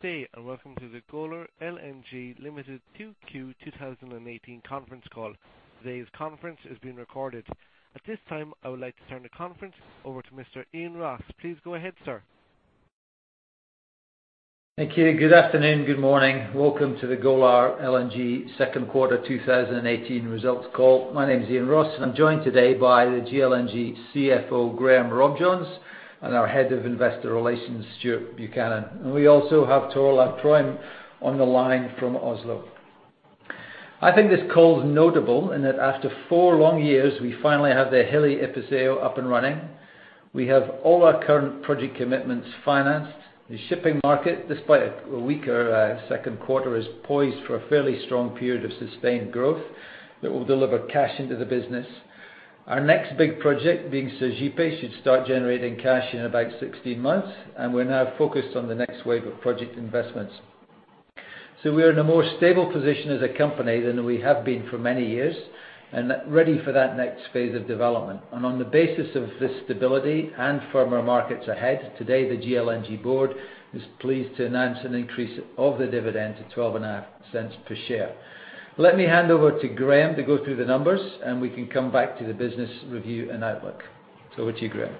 Good day. Welcome to the Golar LNG Limited 2Q 2018 conference call. Today's conference is being recorded. At this time, I would like to turn the conference over to Mr. Iain Ross. Please go ahead, sir. Thank you. Good afternoon, good morning. Welcome to the Golar LNG second quarter 2018 results call. My name's Iain Ross, and I'm joined today by the GLNG CFO, Graham Robjohns, and our head of investor relations, Stuart Buchanan. We also have Tor Olav Trøim on the line from Oslo. I think this call's notable in that after four long years, we finally have the Hilli Episeyo up and running. We have all our current project commitments financed. The shipping market, despite a weaker second quarter, is poised for a fairly strong period of sustained growth that will deliver cash into the business. Our next big project, being Sergipe, should start generating cash in about 16 months. We're now focused on the next wave of project investments. We are in a more stable position as a company than we have been for many years and ready for that next phase of development. On the basis of this stability and firmer markets ahead, today the GLNG board is pleased to announce an increase of the dividend to $12.5 per share. Let me hand over to Graham to go through the numbers. We can come back to the business review and outlook. Over to you, Graham.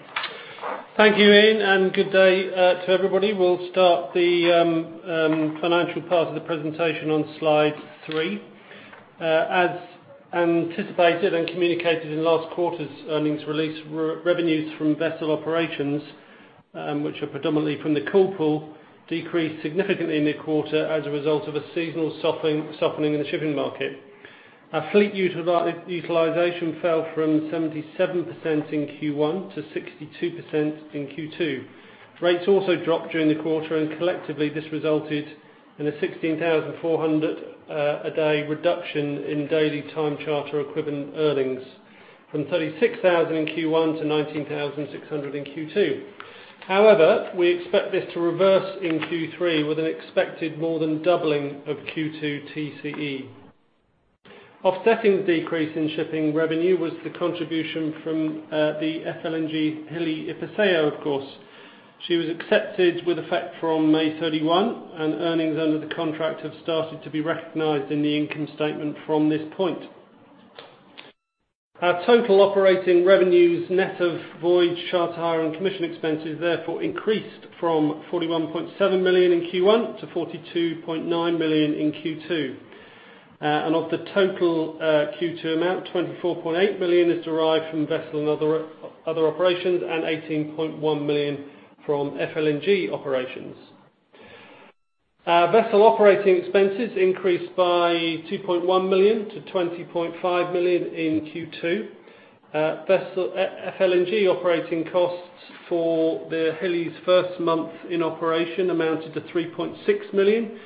Thank you, Iain. Good day to everybody. We'll start the financial part of the presentation on slide three. As anticipated and communicated in last quarter's earnings release, revenues from vessel operations, which are predominantly from the Cool Pool, decreased significantly in the quarter as a result of a seasonal softening in the shipping market. Our fleet utilization fell from 77% in Q1 to 62% in Q2. Rates also dropped during the quarter. Collectively, this resulted in a $16,400 a day reduction in daily time charter equivalent earnings, from $36,000 in Q1 to $19,600 in Q2. However, we expect this to reverse in Q3 with an expected more than doubling of Q2 TCE. Offsetting the decrease in shipping revenue was the contribution from the FLNG Hilli Episeyo, of course. She was accepted with effect from May 31, and earnings under the contract have started to be recognized in the income statement from this point. Our total operating revenues, net of voyage charter hire and commission expenses, therefore increased from $41.7 million in Q1 to $42.9 million in Q2. Of the total Q2 amount, $24.8 million is derived from vessel and other operations, and $18.1 million from FLNG operations. Our vessel operating expenses increased by $2.1 million to $20.5 million in Q2. FLNG operating costs for the Hilli's first month in operation amounted to $3.6 million,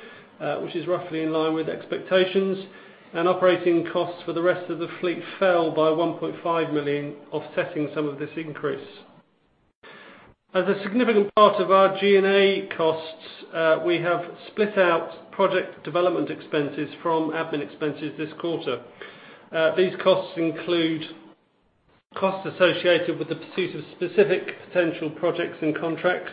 which is roughly in line with expectations. Operating costs for the rest of the fleet fell by $1.5 million, offsetting some of this increase. As a significant part of our G&A costs, we have split out project development expenses from admin expenses this quarter. These costs include costs associated with the pursuit of specific potential projects and contracts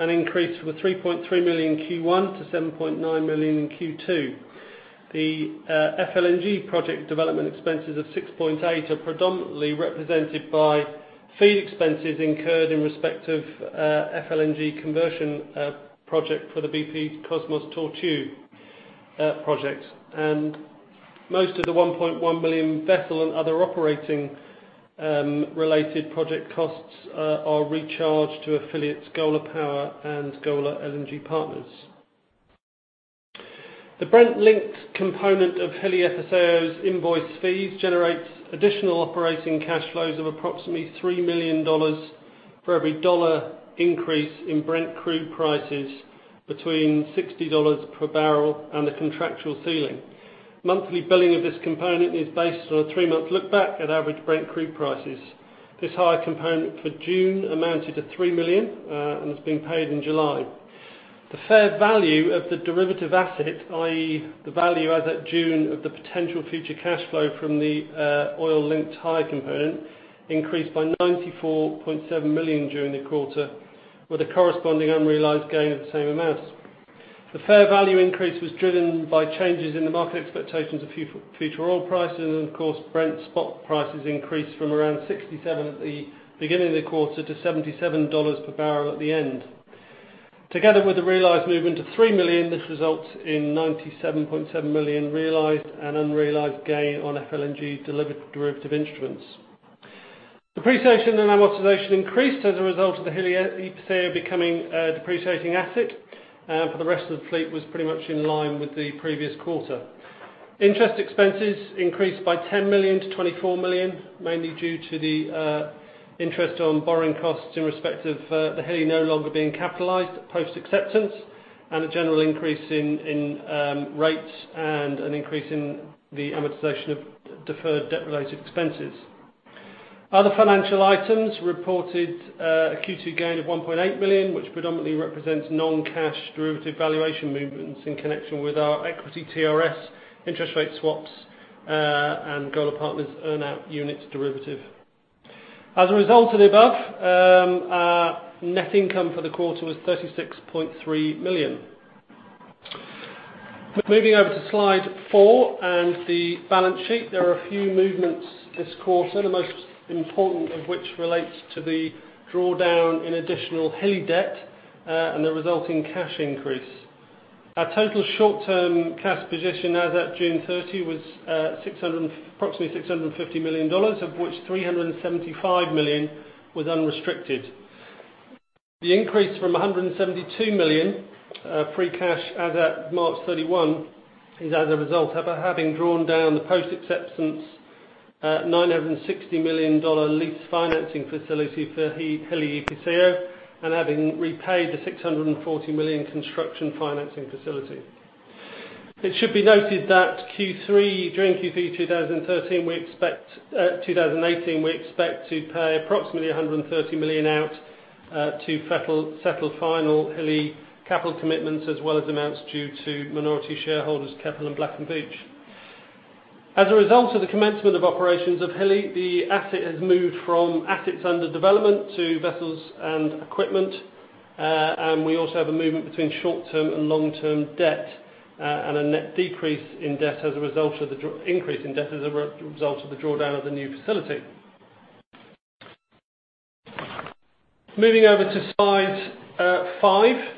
increased from $3.3 million in Q1 to $7.9 million in Q2. The FLNG project development expenses of $6.8 are predominantly represented by FEED expenses incurred in respect of FLNG conversion project for the BP Greater Tortue project. Most of the $1.1 million vessel and other operating-related project costs are recharged to affiliates Golar Power and Golar LNG Partners. The Brent linked component of Hilli Episeyo's invoice fees generates additional operating cash flows of approximately $3 million for every dollar increase in Brent crude prices between $60 per barrel and the contractual ceiling. Monthly billing of this component is based on a three-month look back at average Brent crude prices. This hire component for June amounted to $3 million and has been paid in July. The fair value of the derivative asset, i.e., the value as at June of the potential future cash flow from the oil-linked hire component, increased by $94.7 million during the quarter with a corresponding unrealized gain of the same amount. The fair value increase was driven by changes in the market expectations of future oil prices, of course, Brent spot prices increased from around $67 at the beginning of the quarter to $77 per barrel at the end. Together with the realized movement of $3 million, this results in $97.7 million realized and unrealized gain on FLNG derivative instruments. Depreciation and amortization increased as a result of the Hilli Episeyo becoming a depreciating asset. For the rest of the fleet, was pretty much in line with the previous quarter. Interest expenses increased by $10 million to $24 million, mainly due to the interest on borrowing costs in respect of the Hilli no longer being capitalized post acceptance and a general increase in rates and an increase in the amortization of deferred debt-related expenses. Other financial items reported a Q2 gain of $1.8 million, which predominantly represents non-cash derivative valuation movements in connection with our equity TRS interest rate swaps and Golar Partners earn out units derivative. As a result of the above, our net income for the quarter was $36.3 million. Moving over to slide four and the balance sheet. There are a few movements this quarter, the most important of which relates to the drawdown in additional Hilli debt, and the resulting cash increase. Our total short-term cash position as at June 30 was approximately $650 million, of which $375 million was unrestricted. The increase from $172 million, free cash as at March 31, is as a result of having drawn down the post acceptance at $960 million lease financing facility for Hilli Episeyo, and having repaid the $640 million construction financing facility. It should be noted that during Q3 2018, we expect to pay approximately $130 million out to settle final Hilli capital commitments as well as amounts due to minority shareholders, Keppel and Black & Veatch. As a result of the commencement of operations of Hilli, the asset has moved from assets under development to vessels and equipment. We also have a movement between short-term and long-term debt, and a net increase in debt as a result of the drawdown of the new facility. Moving over to slide five.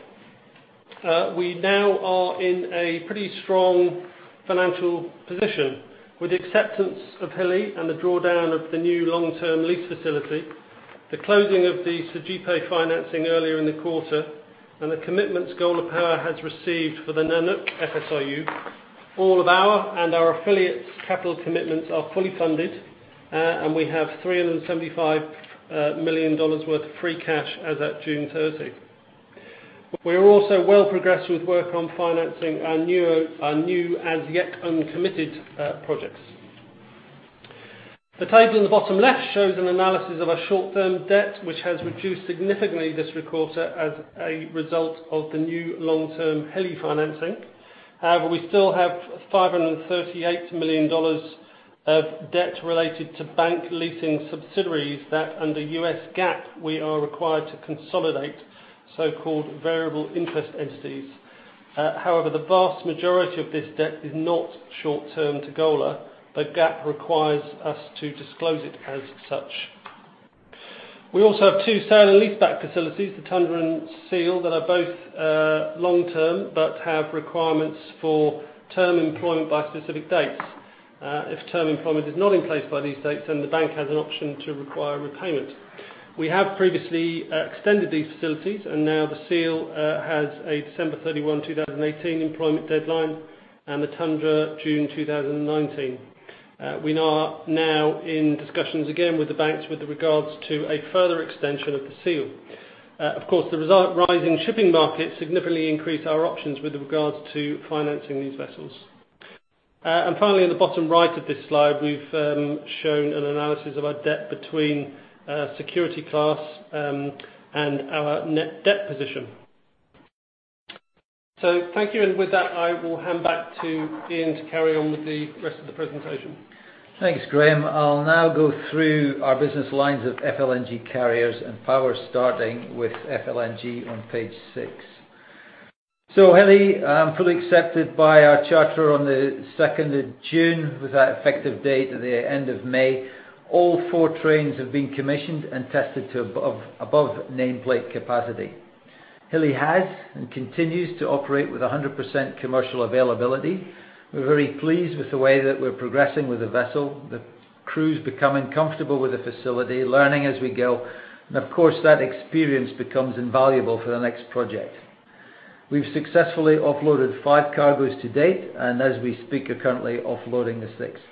We now are in a pretty strong financial position. With the acceptance of Hilli and the drawdown of the new long-term lease facility, the closing of the Sergipe financing earlier in the quarter, and the commitments Golar Power has received for the Nanook FSRU, all of our and our affiliates' capital commitments are fully funded, and we have $375 million worth of free cash as at June 30. We are also well progressed with work on financing our new as-yet-uncommitted projects. The table in the bottom left shows an analysis of our short-term debt, which has reduced significantly this quarter as a result of the new long-term Hilli financing. However, we still have $538 million of debt related to bank leasing subsidiaries that under U.S. GAAP we are required to consolidate, so-called variable interest entities. However, the vast majority of this debt is not short-term to Golar, but GAAP requires us to disclose it as such. We also have two sale and lease back facilities, the Tundra and Seal, that are both long-term but have requirements for term employment by specific dates. If term employment is not in place by these dates, then the bank has an option to require repayment. We have previously extended these facilities, and now the Seal has a December 31, 2018, employment deadline, and the Tundra June 2019. We are now in discussions again with the banks with regards to a further extension of the Seal. Of course, the rising shipping market significantly increased our options with regards to financing these vessels. Finally, in the bottom right of this slide, we've shown an analysis of our debt between security class and our net debt position. Thank you. With that, I will hand back to Iain to carry on with the rest of the presentation. Thanks, Graham. I'll now go through our business lines of FLNG carriers and power, starting with FLNG on page six. Hilli, fully accepted by our charterer on the 2nd of June, with an effective date of the end of May. All four trains have been commissioned and tested to above nameplate capacity. Hilli has and continues to operate with 100% commercial availability. We're very pleased with the way that we're progressing with the vessel, the crew's becoming comfortable with the facility, learning as we go, and of course, that experience becomes invaluable for the next project. We've successfully offloaded five cargoes to date, and as we speak, are currently offloading the sixth.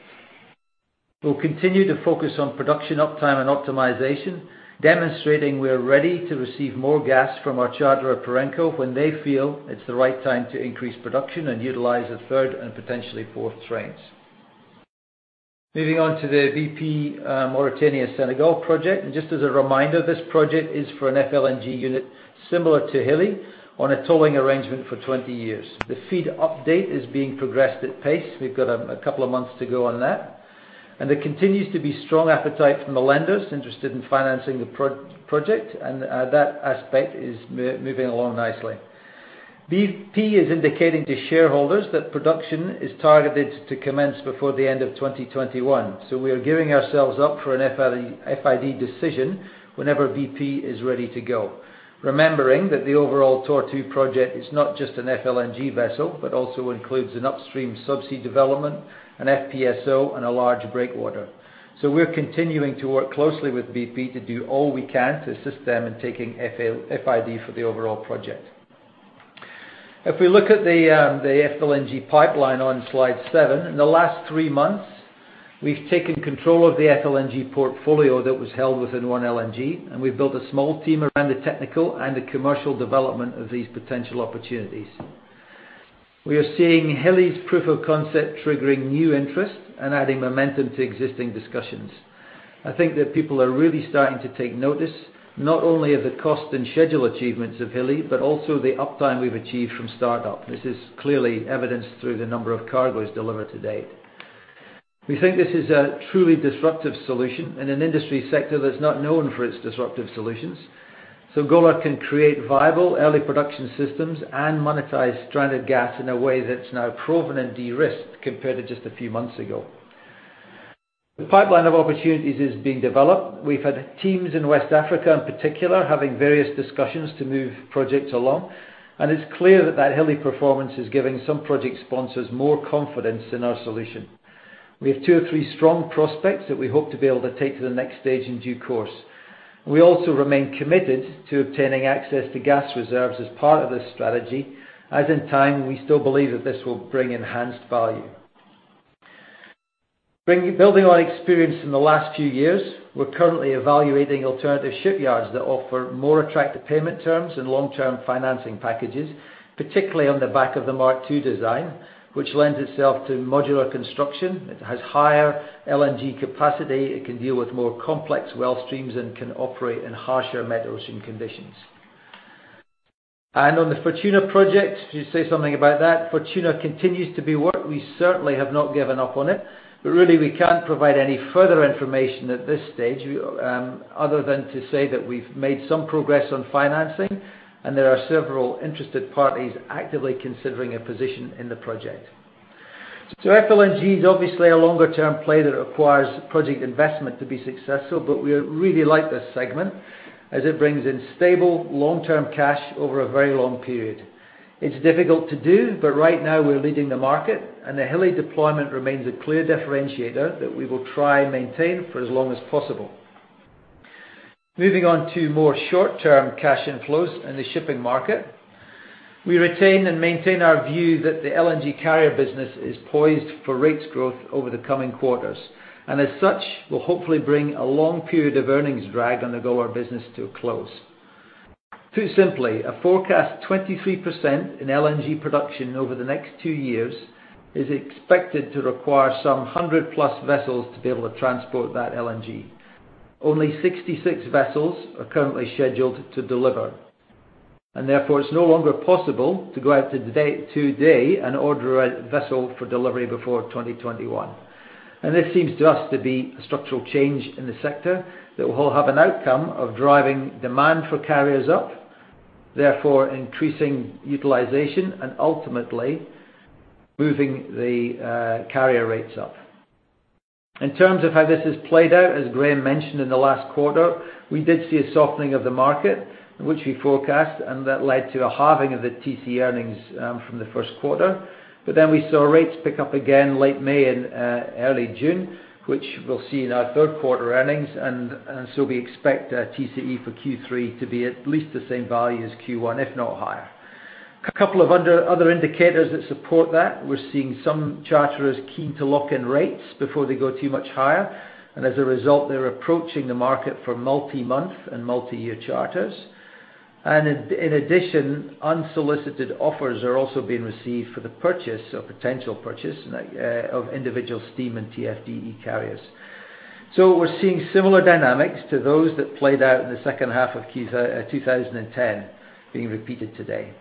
We'll continue to focus on production uptime and optimization, demonstrating we are ready to receive more gas from our charterer, Perenco, when they feel it's the right time to increase production and utilize the third and potentially fourth trains. Moving on to the BP Mauritania Senegal project. Just as a reminder, this project is for an FLNG unit similar to Hilli on a tolling arrangement for 20 years. The FEED update is being progressed at pace. We've got a couple of months to go on that. There continues to be strong appetite from the lenders interested in financing the project, and that aspect is moving along nicely. BP is indicating to shareholders that production is targeted to commence before the end of 2021. We are gearing ourselves up for an FID decision whenever BP is ready to go. Remembering that the overall Tortue project is not just an FLNG vessel, but also includes an upstream sub-sea development, an FPSO, and a large breakwater. We are continuing to work closely with BP to do all we can to assist them in taking FID for the overall project. If we look at the FLNG pipeline on slide seven, in the last three months, we've taken control of the FLNG portfolio that was held within OneLNG, and we've built a small team around the technical and the commercial development of these potential opportunities. We are seeing Hilli's proof of concept triggering new interest and adding momentum to existing discussions. I think that people are really starting to take notice, not only of the cost and schedule achievements of Hilli, but also the uptime we've achieved from startup. This is clearly evidenced through the number of cargoes delivered to date. We think this is a truly disruptive solution in an industry sector that's not known for its disruptive solutions. Golar can create viable early production systems and monetize stranded gas in a way that's now proven and de-risked compared to just a few months ago. The pipeline of opportunities is being developed. We've had teams in West Africa in particular, having various discussions to move projects along, and it's clear that that Hilli performance is giving some project sponsors more confidence in our solution. We have two or three strong prospects that we hope to be able to take to the next stage in due course. We also remain committed to obtaining access to gas reserves as part of this strategy, as in time, we still believe that this will bring enhanced value. Building on experience in the last few years, we're currently evaluating alternative shipyards that offer more attractive payment terms and long-term financing packages, particularly on the back of the Mark II design, which lends itself to modular construction. It has higher LNG capacity, it can deal with more complex well streams, and can operate in harsher met ocean conditions. On the Fortuna project, to say something about that, Fortuna continues to be worked. We certainly have not given up on it, but really we can't provide any further information at this stage, other than to say that we've made some progress on financing, and there are several interested parties actively considering a position in the project. FLNG is obviously a longer-term play that requires project investment to be successful, but we really like this segment as it brings in stable, long-term cash over a very long period. It's difficult to do, but right now we're leading the market, and the Hilli deployment remains a clear differentiator that we will try and maintain for as long as possible. Moving on to more short-term cash inflows in the shipping market. We retain and maintain our view that the LNG carrier business is poised for rates growth over the coming quarters, and as such, will hopefully bring a long period of earnings drag on the Golar business to a close. Too simply, a forecast 23% in LNG production over the next two years is expected to require some 100-plus vessels to be able to transport that LNG. Only 66 vessels are currently scheduled to deliver, and therefore it's no longer possible to go out today and order a vessel for delivery before 2021. This seems to us to be a structural change in the sector that will have an outcome of driving demand for carriers up, therefore increasing utilization and ultimately moving the carrier rates up. In terms of how this has played out, as Graham mentioned in the last quarter, we did see a softening of the market, which we forecast, and that led to a halving of the TCE earnings from the first quarter. We saw rates pick up again late May and early June, which we'll see in our third quarter earnings, and so we expect TCE for Q3 to be at least the same value as Q1, if not higher. A couple of other indicators that support that. We're seeing some charterers keen to lock in rates before they go too much higher, and as a result, they're approaching the market for multi-month and multi-year charters. In addition, unsolicited offers are also being received for the purchase or potential purchase of individual steam and TFDE carriers. We're seeing similar dynamics to those that played out in the second half of 2010 being repeated today.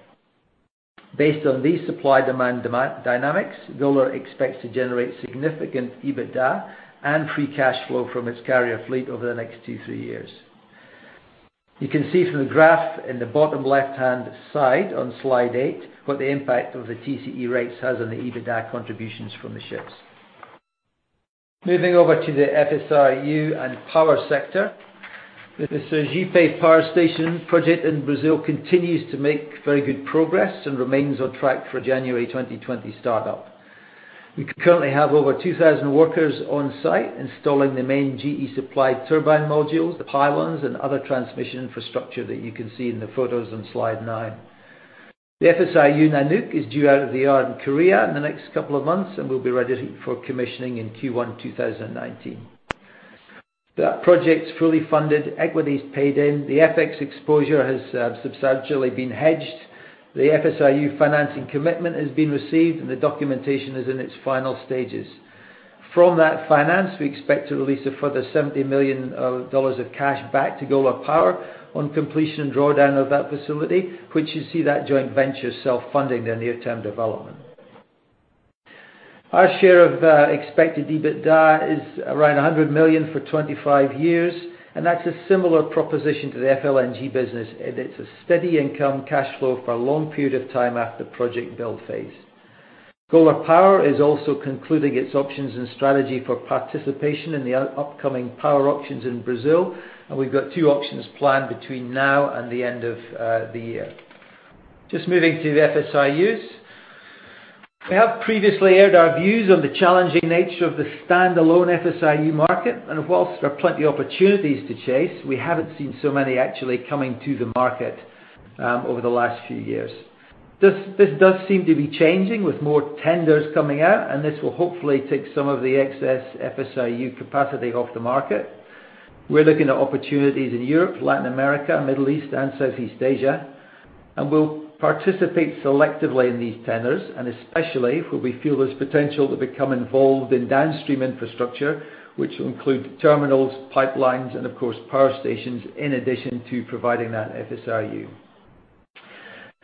Based on these supply-demand dynamics, Golar expects to generate significant EBITDA and free cash flow from its carrier fleet over the next two, three years. You can see from the graph in the bottom left-hand side on slide eight, what the impact of the TCE rates has on the EBITDA contributions from the ships. Moving over to the FSRU and power sector. The Sergipe Power Station project in Brazil continues to make very good progress and remains on track for January 2020 startup. We currently have over 2,000 workers on site installing the main GE supply turbine modules, the pylons, and other transmission infrastructure that you can see in the photos on slide nine. The FSRU Nanook is due out of the yard in Korea in the next couple of months and will be ready for commissioning in Q1 2019. That project's fully funded. Equity is paid in. The FX exposure has substantially been hedged. The FSRU financing commitment has been received, and the documentation is in its final stages. From that finance, we expect to release a further $70 million of cash back to Golar Power on completion and drawdown of that facility, which you see that joint venture self-funding their near-term development. Our share of expected EBITDA is around $100 million for 25 years, and that's a similar proposition to the FLNG business, and it's a steady income cash flow for a long period of time after project build phase. Golar Power is also concluding its options and strategy for participation in the upcoming power auctions in Brazil, and we've got two auctions planned between now and the end of the year. Just moving to the FSRUs. We have previously aired our views on the challenging nature of the standalone FSRU market, and whilst there are plenty of opportunities to chase, we haven't seen so many actually coming to the market over the last few years. This does seem to be changing with more tenders coming out, and this will hopefully take some of the excess FSRU capacity off the market. We're looking at opportunities in Europe, Latin America, Middle East, and Southeast Asia, and we'll participate selectively in these tenders, and especially where we feel there's potential to become involved in downstream infrastructure, which will include terminals, pipelines, and of course, power stations in addition to providing that FSRU.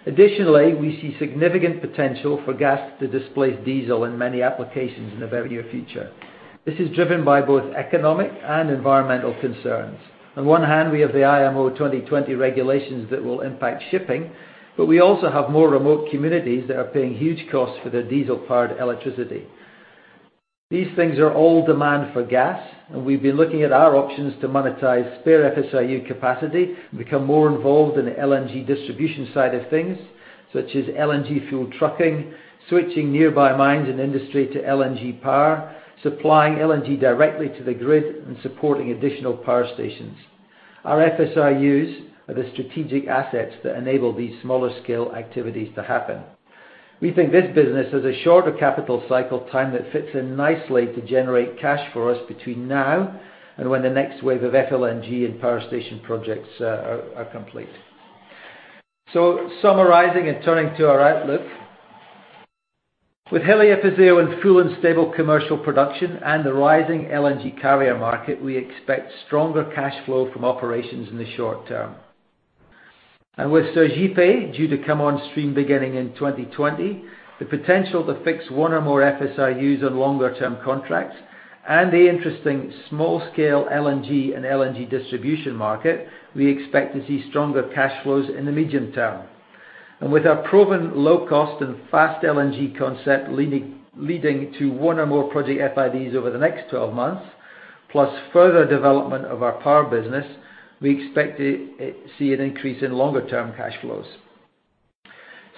Additionally, we see significant potential for gas to displace diesel in many applications in the very near future. This is driven by both economic and environmental concerns. On one hand, we have the IMO 2020 regulations that will impact shipping, but we also have more remote communities that are paying huge costs for their diesel-powered electricity. These things are all demand for gas, and we've been looking at our options to monetize spare FSRU capacity and become more involved in the LNG distribution side of things, such as LNG fuel trucking, switching nearby mines and industry to LNG power, supplying LNG directly to the grid, and supporting additional power stations. Our FSRUs are the strategic assets that enable these smaller-scale activities to happen. We think this business has a shorter capital cycle time that fits in nicely to generate cash for us between now and when the next wave of FLNG and power station projects are complete. Summarizing and turning to our outlook. With Hilli Episeyo in full and stable commercial production and the rising LNG carrier market, we expect stronger cash flow from operations in the short term. With Sergipe, due to come on stream beginning in 2020, the potential to fix one or more FSRUs on longer-term contracts, and the interesting small-scale LNG and LNG distribution market, we expect to see stronger cash flows in the medium term. With our proven low cost and fast LNG concept leading to one or more project FIDs over the next 12 months, plus further development of our power business, we expect to see an increase in longer-term cash flows.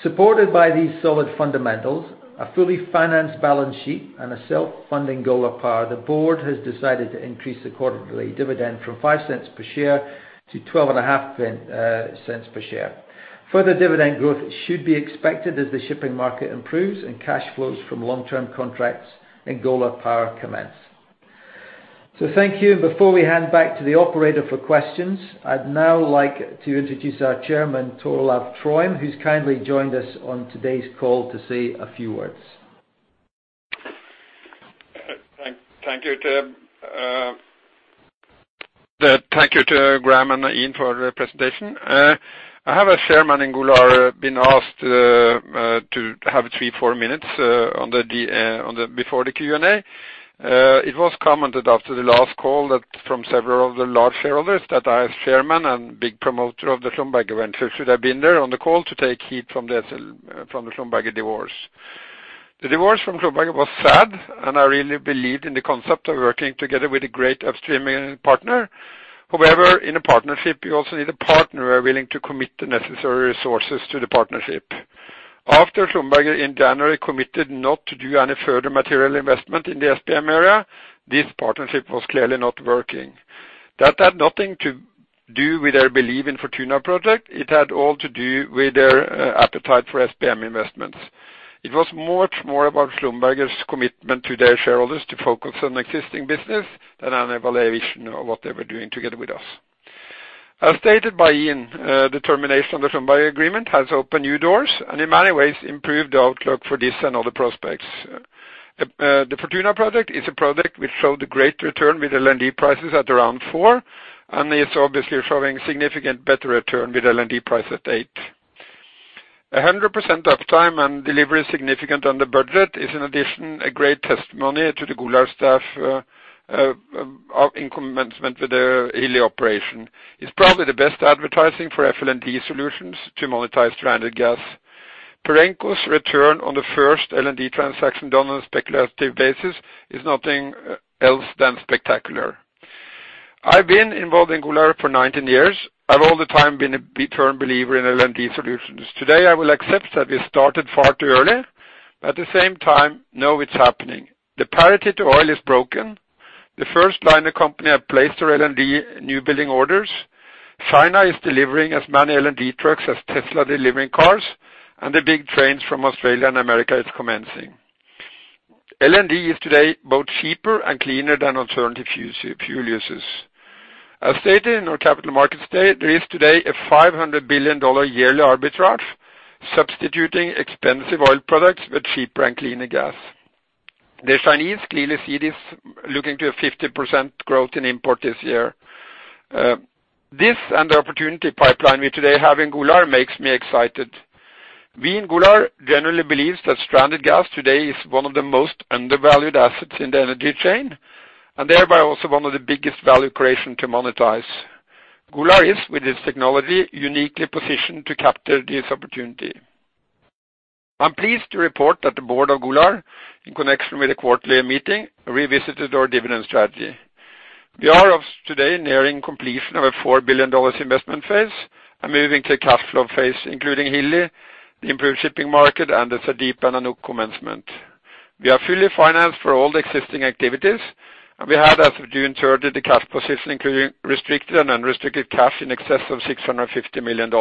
Supported by these solid fundamentals, a fully financed balance sheet, and a self-funding Golar Power, the board has decided to increase the quarterly dividend from $0.05 per share to $0.50 per share. Further dividend growth should be expected as the shipping market improves, and cash flows from long-term contracts and Golar Power commence. Thank you. Before we hand back to the operator for questions, I'd now like to introduce our Chairman, Tor Olav Trøim, who's kindly joined us on today's call to say a few words. Thank you to Graham and Iain for the presentation. I have, as Chairman in Golar, been asked to have three, four minutes before the Q&A. It was commented after the last call from several of the large shareholders that I, as Chairman and big promoter of the Schlumberger event, should have been there on the call to take heat from the Schlumberger divorce. The divorce from Schlumberger was sad, I really believed in the concept of working together with a great upstream partner. In a partnership, you also need a partner who are willing to commit the necessary resources to the partnership. After Schlumberger in January committed not to do any further material investment in the SPM area, this partnership was clearly not working. That had nothing to do with their belief in Fortuna project. It had all to do with their appetite for SPM investments. It was much more about Schlumberger's commitment to their shareholders to focus on existing business than any evaluation of what they were doing together with us. As stated by Iain, the termination of the Schlumberger agreement has opened new doors, in many ways improved the outlook for this and other prospects. The Fortuna project is a project which showed a great return with LNG prices at around four, it's obviously showing significant better return with LNG price at eight. 100% uptime and delivery significant under budget is an addition, a great testimony to the Golar staff in commencement with the Hilli operation. It's probably the best advertising for FLNG solutions to monetize stranded gas. Perenco's return on the first LNG transaction done on a speculative basis is nothing else than spectacular. I've been involved in Golar for 19 years. I've all the time been a firm believer in LNG solutions. Today, I will accept that we started far too early, at the same time, know it's happening. The parity to oil is broken. The first liner company have placed their LNG new building orders. China is delivering as many LNG trucks as Tesla delivering cars, the big trains from Australia and America is commencing. LNG is today both cheaper and cleaner than alternative fuel uses. As stated in our capital market today, there is today a $500 billion yearly arbitrage substituting expensive oil products with cheaper and cleaner gas. The Chinese clearly see this, looking to a 50% growth in import this year. This and the opportunity pipeline we today have in Golar makes me excited. We in Golar generally believe that stranded gas today is one of the most undervalued assets in the energy chain, and thereby also one of the biggest value creation to monetize. Golar is, with its technology, uniquely positioned to capture this opportunity. I'm pleased to report that the board of Golar, in connection with the quarterly meeting, revisited our dividend strategy. We are as of today nearing completion of a $4 billion investment phase and moving to a cash flow phase, including Hilli, the improved shipping market, and the Sergipe and Nanook commencement. We are fully financed for all the existing activities, and we have, as of June 30th, a cash position, including restricted and unrestricted cash, in excess of $650 million.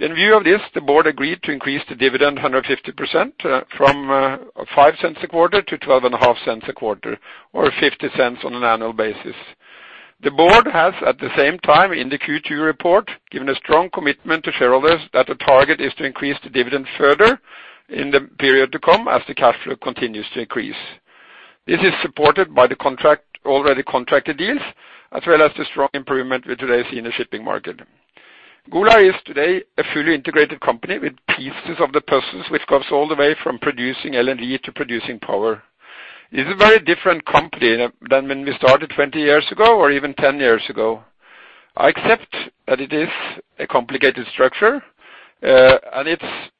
In view of this, the board agreed to increase the dividend 150%, from $0.05 a quarter to $0.125 a quarter or $0.50 on an annual basis. The board has, at the same time, in the Q2 report, given a strong commitment to shareholders that the target is to increase the dividend further in the period to come as the cash flow continues to increase. This is supported by the already contracted deals, as well as the strong improvement we today see in the shipping market. Golar is today a fully integrated company with pieces of the puzzles which goes all the way from producing LNG to producing power. It's a very different company than when we started 20 years ago, or even 10 years ago. I accept that it is a complicated structure, and it's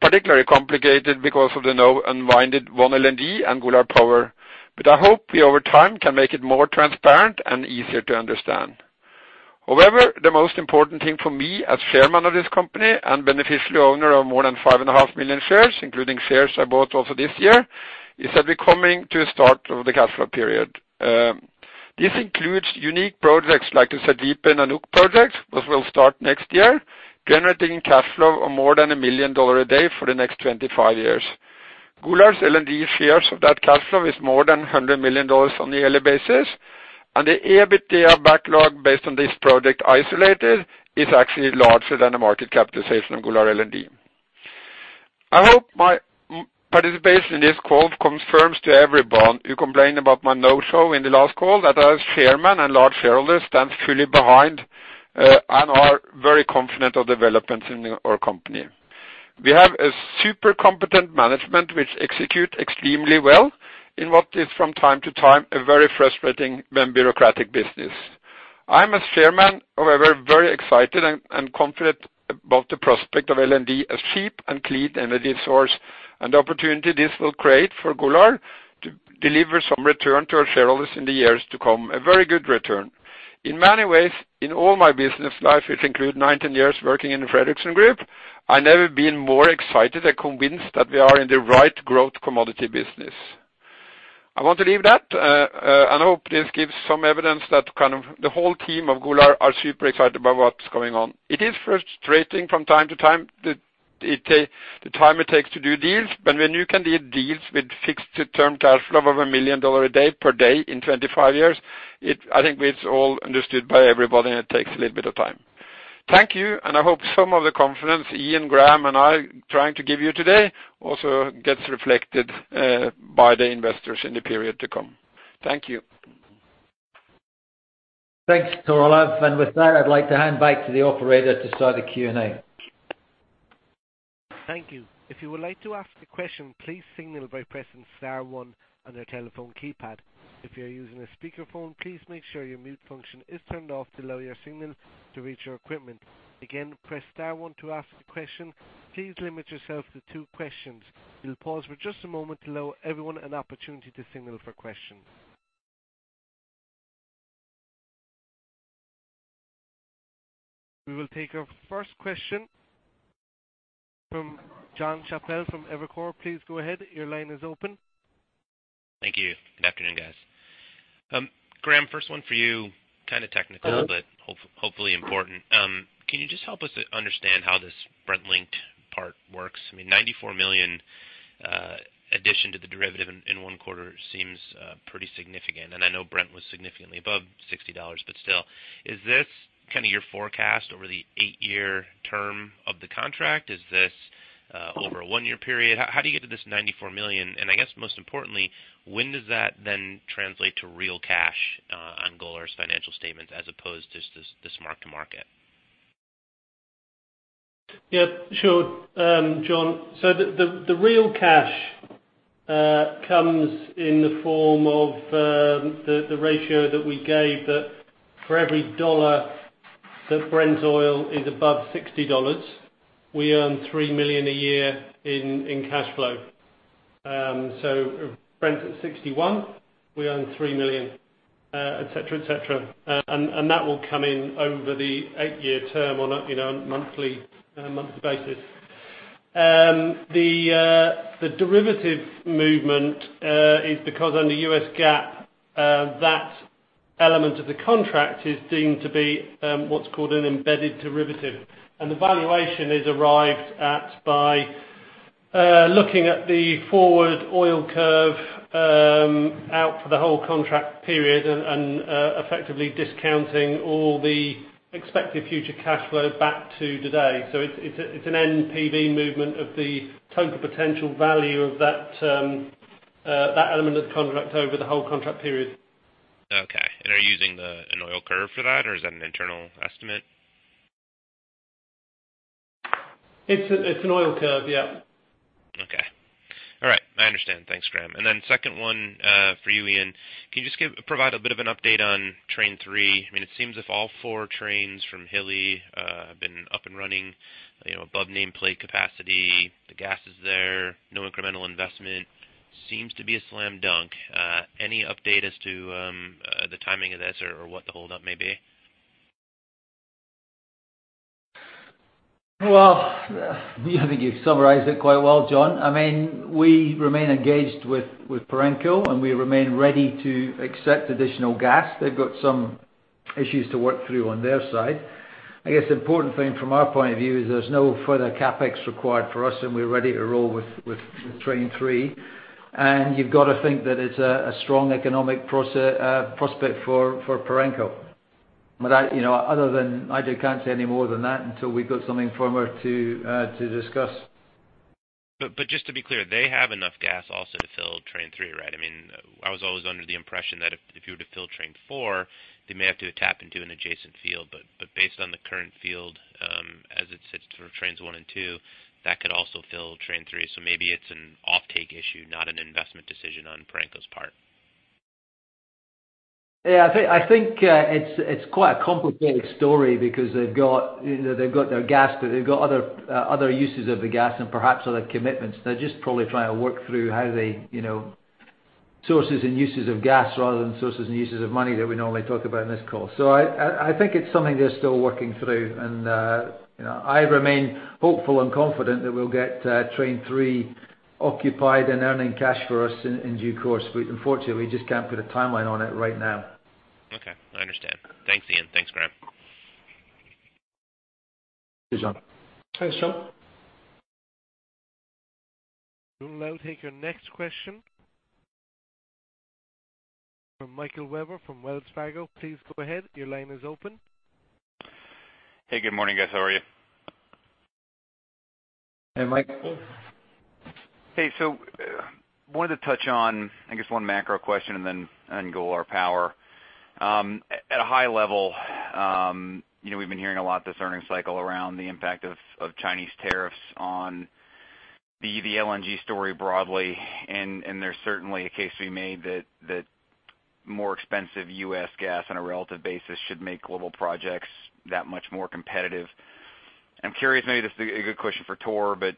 particularly complicated because of the now unblinded OneLNG and Golar Power. I hope we, over time, can make it more transparent and easier to understand. The most important thing for me as chairman of this company and beneficial owner of more than 5.5 million shares, including shares I bought also this year, is that we're coming to the start of the cash flow period. This includes unique projects like the Sergipe and Nanook projects, which will start next year, generating cash flow of more than $1 million a day for the next 25 years. Golar LNG's shares of that cash flow is more than $100 million on a yearly basis, and the EBITDA backlog based on this project isolated is actually larger than the market capitalization of Golar LNG. I hope my participation in this call confirms to everyone who complained about my no-show in the last call, that as chairman and large shareholder, stands fully behind and are very confident of developments in our company. We have a super competent management which execute extremely well in what is from time to time a very frustrating and bureaucratic business. I'm, as chairman, however, very excited and confident about the prospect of LNG as cheap and clean energy source and the opportunity this will create for Golar to deliver some return to our shareholders in the years to come, a very good return. In many ways, in all my business life, which include 19 years working in the Fredriksen Group, I never been more excited and convinced that we are in the right growth commodity business. I want to leave that, and I hope this gives some evidence that the whole team of Golar are super excited about what's going on. It is frustrating from time to time, the time it takes to do deals. When you can do deals with fixed term cash flow of $1 million a day per day in 25 years, I think it is all understood by everybody, and it takes a little bit of time. Thank you, and I hope some of the confidence Iain, Graham, and I are trying to give you today also gets reflected by the investors in the period to come. Thank you. Thanks, Tor Olav. With that, I would like to hand back to the operator to start the Q&A. Thank you. If you would like to ask a question, please signal by pressing star one on your telephone keypad. If you are using a speakerphone, please make sure your mute function is turned off to allow your signal to reach our equipment. Again, press star one to ask a question. Please limit yourself to two questions. We will pause for just a moment to allow everyone an opportunity to signal for questions. We will take our first question from Jonathan Chappell from Evercore. Please go ahead. Your line is open. Thank you. Good afternoon, guys. Graham, first one for you, kind of technical- Sure Hopefully important. Can you just help us understand how this Brent-linked part works? I mean, $94 million addition to the derivative in one quarter seems pretty significant. And I know Brent was significantly above $60, but still. Is this your forecast over the 8-year term of the contract? Is this over a one-year period? How do you get to this $94 million? And I guess most importantly, when does that then translate to real cash on Golar's financial statements as opposed to just this mark-to-market? Yeah, sure, Jon. The real cash comes in the form of the ratio that we gave that for every dollar that Brent's oil is above $60, we earn $3 million a year in cash flow. Brent's at $61, we earn $3 million, et cetera. That will come in over the 8-year term on a monthly basis. The derivative movement is because under U.S. GAAP, that element of the contract is deemed to be what's called an embedded derivative. The valuation is arrived at by looking at the forward oil curve out for the whole contract period and effectively discounting all the expected future cash flow back to today. It's an NPV movement of the total potential value of that element of the contract over the whole contract period. Okay. Are you using an oil curve for that, or is that an internal estimate? It's an oil curve, yeah. Okay. All right. I understand. Thanks, Graham. Second one for you, Iain. Can you just provide a bit of an update on Train 3? It seems as if all four trains from Hilli have been up and running above nameplate capacity. The gas is there, no incremental investment, seems to be a slam dunk. Any update as to the timing of this or what the hold-up may be? I think you've summarized it quite well, Jon. We remain engaged with Perenco, and we remain ready to accept additional gas. They've got some issues to work through on their side. I guess the important thing from our point of view is there's no further CapEx required for us, and we're ready to roll with Train 3. You've got to think that it's a strong economic prospect for Perenco. Other than, I can't say any more than that until we've got something firmer to discuss. Just to be clear, they have enough gas also to fill Train 3, right? I was always under the impression that if you were to fill Train 4, they may have to tap into an adjacent field. Based on the current field, as it sits for Trains 1 and 2, that could also fill Train 3. Maybe it's an offtake issue, not an investment decision on Perenco's part. I think it's quite a complicated story because they've got their gas, but they've got other uses of the gas and perhaps other commitments. They're just probably trying to work through how they sources and uses of gas rather than sources and uses of money that we normally talk about in this call. I think it's something they're still working through, and I remain hopeful and confident that we'll get Train 3 occupied and earning cash for us in due course. Unfortunately, we just can't put a timeline on it right now. Okay. I understand. Thanks, Iain. Thanks, Graham. Thanks, Jon. Thanks, Jon. We'll now take your next question from Michael Webber from Wells Fargo. Please go ahead. Your line is open. Hey, good morning, guys. How are you? Hey, Michael. Hey, wanted to touch on, I guess, one macro question and then on Golar Power. At a high level, we've been hearing a lot this earning cycle around the impact of Chinese tariffs on the LNG story broadly, and there's certainly a case to be made that more expensive U.S. gas on a relative basis should make global projects that much more competitive. I'm curious, maybe this is a good question for Tor, but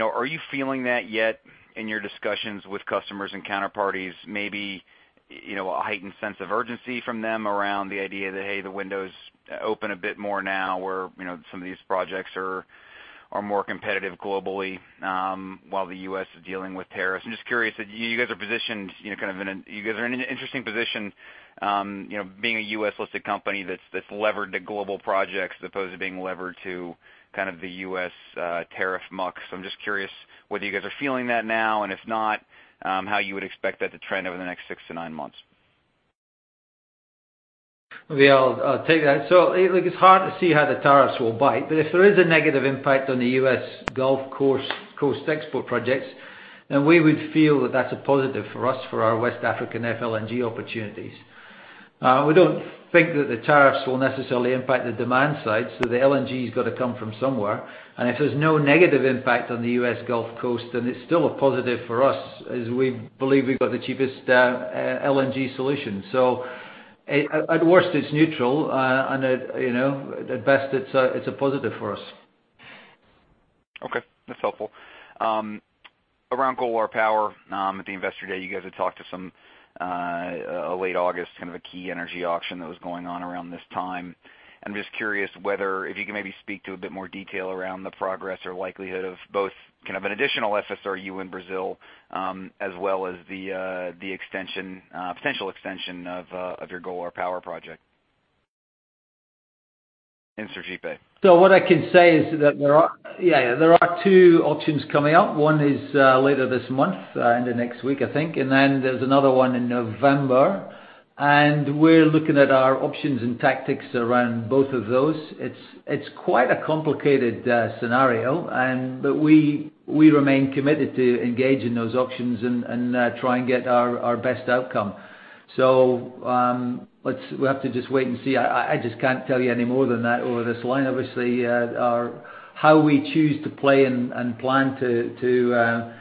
are you feeling that yet in your discussions with customers and counterparties, maybe a heightened sense of urgency from them around the idea that, hey, the window's open a bit more now where some of these projects are more competitive globally while the U.S. is dealing with tariffs? I'm just curious. You guys are in an interesting position being a U.S.-listed company that's levered to global projects as opposed to being levered to the U.S. tariff muck. I'm just curious whether you guys are feeling that now, and if not, how you would expect that to trend over the next six to nine months. Maybe I'll take that. It's hard to see how the tariffs will bite, but if there is a negative impact on the U.S. Gulf Coast export projects, we would feel that that's a positive for us for our West African FLNG opportunities. We don't think that the tariffs will necessarily impact the demand side, the LNG's got to come from somewhere. If there's no negative impact on the U.S. Gulf Coast, it's still a positive for us as we believe we've got the cheapest LNG solution. At worst, it's neutral. At best, it's a positive for us. Okay. That's helpful. Around Golar Power, at the investor day, you guys had talked to some late August, a key energy auction that was going on around this time. I'm just curious whether if you can maybe speak to a bit more detail around the progress or likelihood of both an additional FSRU in Brazil, as well as the potential extension of your Golar Power project in Sergipe. What I can say is that there are two auctions coming up. One is later this month, in the next week, I think, then there's another one in November. We're looking at our options and tactics around both of those. It's quite a complicated scenario, we remain committed to engage in those auctions and try and get our best outcome. We'll have to just wait and see. I just can't tell you any more than that over this line. Obviously, how we choose to play and plan to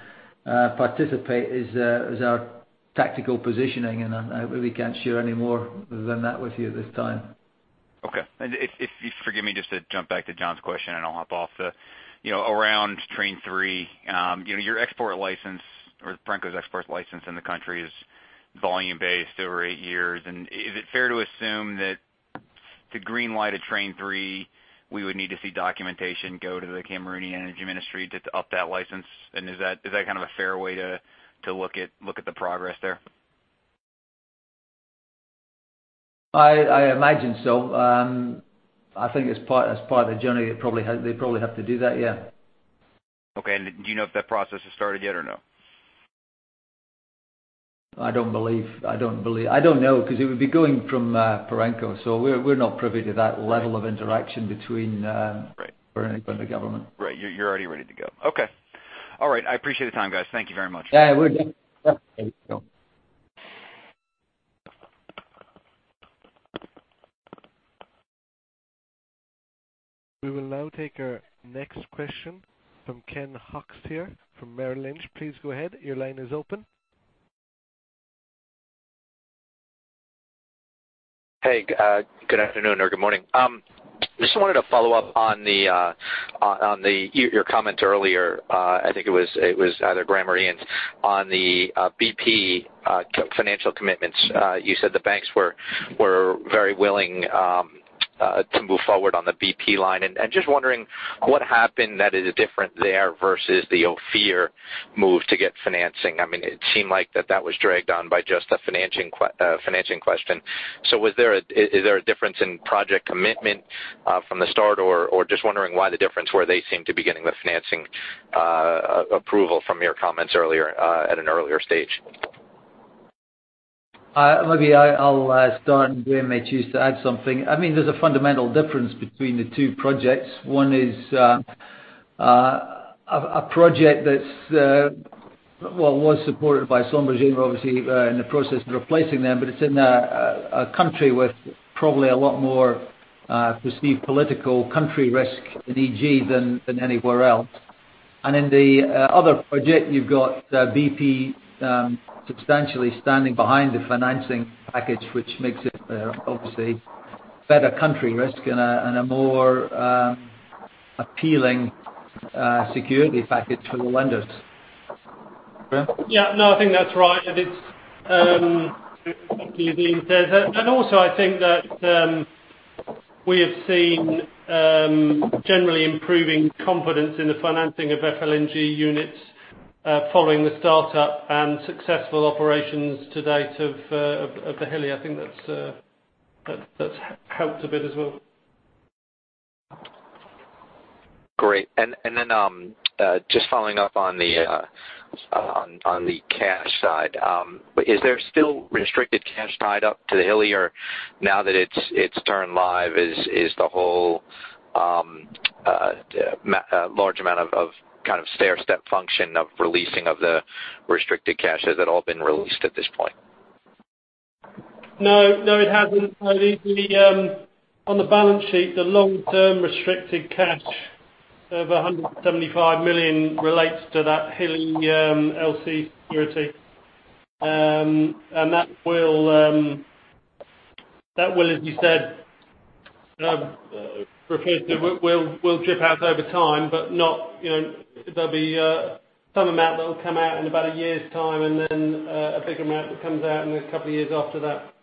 participate is our tactical positioning, and I really can't share any more than that with you at this time. Okay. If you forgive me just to jump back to Jon's question, and I'll hop off. Around Train 3, your export license or Perenco's export license in the country is volume-based over eight years. Is it fair to assume that to green light a Train 3, we would need to see documentation go to the Cameroonian Energy Ministry to up that license? Is that a fair way to look at the progress there? I imagine so. I think as part of the journey, they probably have to do that, yeah. Okay. Do you know if that process has started yet or no? I don't know, because it would be going from Perenco. We're not privy to that level of interaction between- Right Perenco and the government. Right. You're already ready to go. Okay. All right. I appreciate the time, guys. Thank you very much. Yeah. We're done. Yeah. There you go. We will now take our next question from Ken Hoexter from Merrill Lynch. Please go ahead. Your line is open. Hey, good afternoon or good morning. Just wanted to follow up on your comment earlier, I think it was either Graham or Iain, on the BP financial commitments. You said the banks were very willing to move forward on the BP line. Just wondering what happened that is different there versus the Ophir move to get financing. It seemed like that was dragged on by just the financing question. Is there a difference in project commitment from the start, or just wondering why the difference where they seem to be getting the financing approval from your comments earlier at an earlier stage? Maybe I'll start, Graham may choose to add something. There's a fundamental difference between the two projects. One is a project that was supported by Sembcorp Marine, obviously in the process of replacing them, but it's in a country with probably a lot more perceived political country risk than Egypt than anywhere else. In the other project, you've got BP substantially standing behind the financing package, which makes it obviously better country risk and a more appealing security package for the lenders. Graham? Yeah, I think that's right. It's exactly as Iain says. Also I think that we have seen generally improving confidence in the financing of FLNG units following the start-up and successful operations to date of Hilli. I think that's helped a bit as well. Great. Then just following up on the cash side. Is there still restricted cash tied up to Hilli, or now that it's turned live, is the whole large amount of stair-step function of releasing of the restricted cash, has it all been released at this point? No, it hasn't. On the balance sheet, the long-term restricted cash of $175 million relates to that Hilli LC security. That will, as you said, referred to, will drip out over time. There'll be some amount that will come out in about a year's time, then a bigger amount that comes out in a couple of years after that.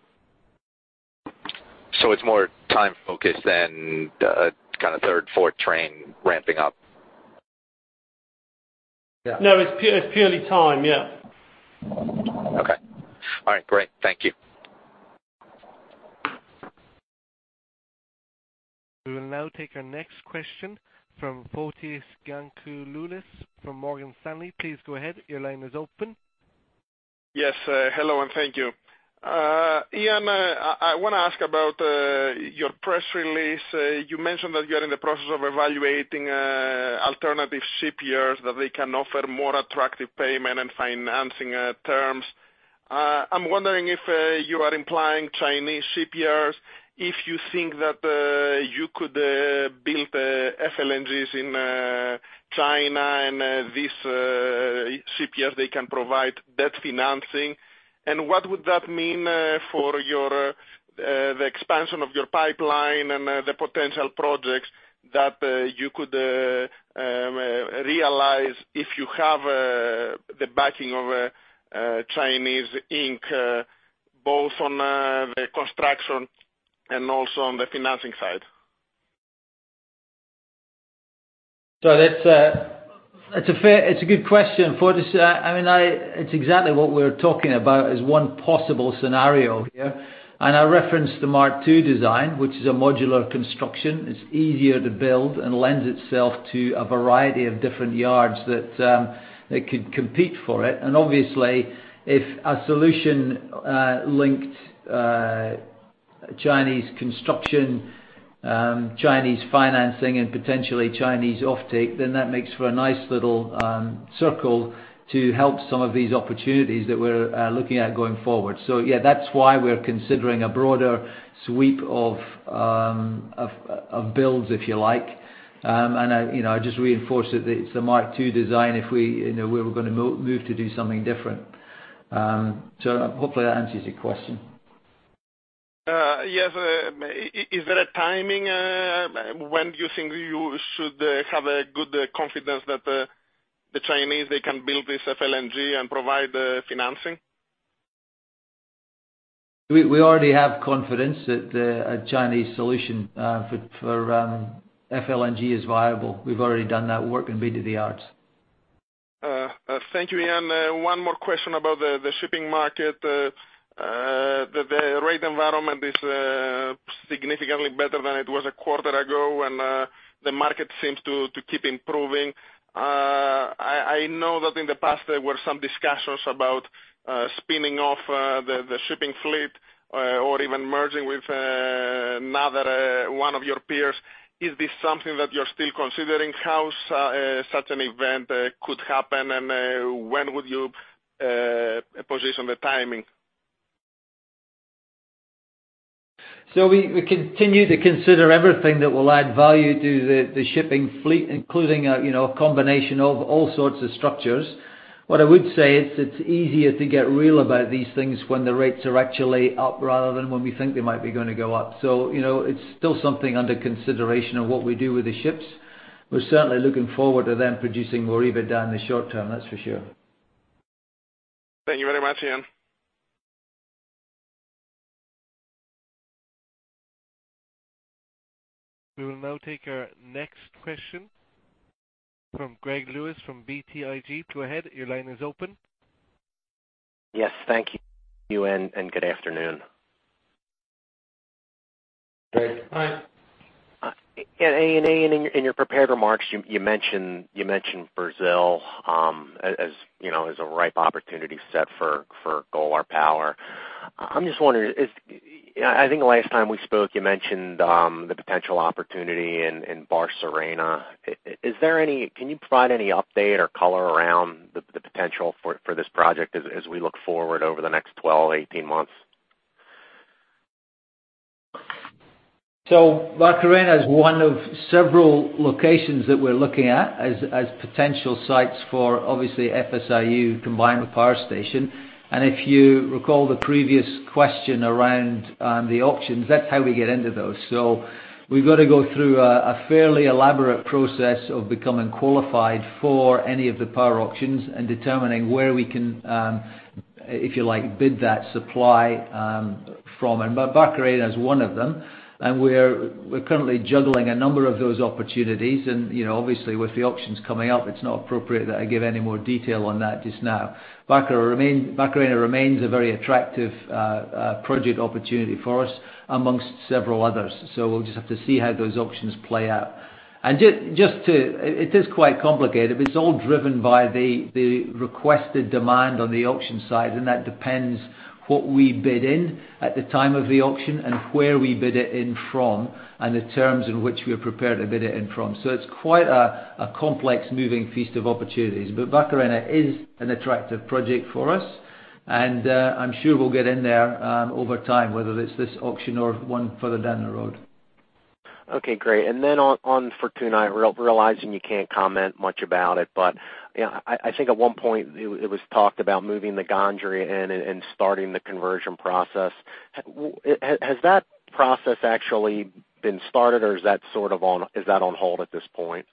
It's more time focused than a kind of third, fourth train ramping up. No, it's purely time. Yeah. Okay. All right. Great. Thank you. We will now take our next question from Fotis Giannakoulis from Morgan Stanley. Please go ahead. Your line is open. Yes. Hello, and thank you. Iain, I want to ask about your press release. You mentioned that you are in the process of evaluating alternative shipyards that they can offer more attractive payment and financing terms. I'm wondering if you are implying Chinese shipyards. If you think that you could build FLNGs in China, and these shipyards they can provide that financing. What would that mean for the expansion of your pipeline and the potential projects that you could realize if you have the backing of a Chinese inc., both on the construction and also on the financing side? It's a good question, Fotis. It's exactly what we're talking about as one possible scenario here. I referenced the Mark II design, which is a modular construction. It's easier to build and lends itself to a variety of different yards that could compete for it. Obviously, if a solution linked Chinese construction, Chinese financing, potentially Chinese offtake, then that makes for a nice little circle to help some of these opportunities that we're looking at going forward. Yeah, that's why we're considering a broader sweep of builds, if you like. I just reinforce it that it's the Mark II design if we were going to move to do something different. Hopefully that answers your question. Yes. Is there a timing when you think you should have a good confidence that the Chinese, they can build this FLNG and provide the financing? We already have confidence that a Chinese solution for FLNG is viable. We've already done that work and bid to the yards. Thank you, Iain. One more question about the shipping market. The rate environment is significantly better than it was a quarter ago, the market seems to keep improving. I know that in the past, there were some discussions about spinning off the shipping fleet or even merging with another one of your peers. Is this something that you're still considering? How such an event could happen, and when would you position the timing? We continue to consider everything that will add value to the shipping fleet, including a combination of all sorts of structures. What I would say, it's easier to get real about these things when the rates are actually up rather than when we think they might be going to go up. It's still something under consideration of what we do with the ships. We're certainly looking forward to them producing more EBITDA in the short term, that's for sure. Thank you very much, Iain. We will now take our next question from Gregory Lewis from BTIG. Go ahead, your line is open. Yes. Thank you, and good afternoon. Great. Bye. Yeah, Iain. In your prepared remarks, you mentioned Brazil as a ripe opportunity set for Golar Power. I'm just wondering, I think the last time we spoke, you mentioned the potential opportunity in Barcarena. Can you provide any update or color around the potential for this project as we look forward over the next 12, 18 months? Barcarena is one of several locations that we're looking at as potential sites for, obviously, FSRU combined with power station. If you recall the previous question around the auctions, that's how we get into those. We've got to go through a fairly elaborate process of becoming qualified for any of the power auctions and determining where we can, if you like, bid that supply from. Barcarena is one of them, and we're currently juggling a number of those opportunities. Obviously, with the auctions coming up, it's not appropriate that I give any more detail on that just now. Barcarena remains a very attractive project opportunity for us amongst several others. We'll just have to see how those auctions play out. It is quite complicated, but it's all driven by the requested demand on the auction side, and that depends what we bid in at the time of the auction and where we bid it in from, and the terms in which we are prepared to bid it in from. It's quite a complex, moving feast of opportunities. Barcarena is an attractive project for us, and I'm sure we'll get in there over time, whether it's this auction or one further down the road. Okay, great. On Fortuna, realizing you can't comment much about it, I think at one point it was talked about moving the Gandria in and starting the conversion process. Has that process actually been started, or is that on hold at this point?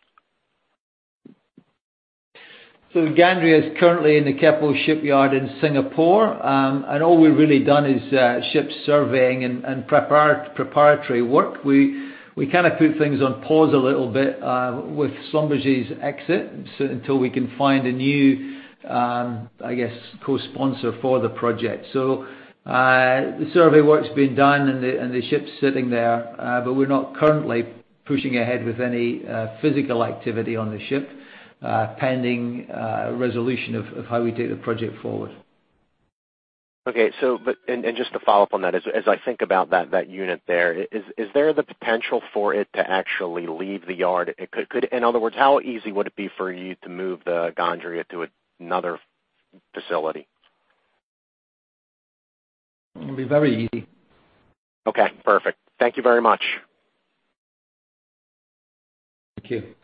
Gandria is currently in the Keppel Shipyard in Singapore. All we've really done is ship surveying and preparatory work. We put things on pause a little bit with Schlumberger's exit until we can find a new, I guess, co-sponsor for the project. The survey work's been done, and the ship's sitting there. We're not currently pushing ahead with any physical activity on the ship, pending resolution of how we take the project forward. Okay. Just to follow up on that, as I think about that unit there, is there the potential for it to actually leave the yard? In other words, how easy would it be for you to move the Gandria to another facility? It would be very easy. Okay, perfect. Thank you very much. Thank you.